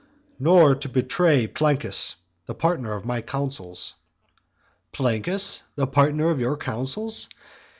"Nor to betray Plancus, the partner of my counsels." Plancus, the partner of your counsels?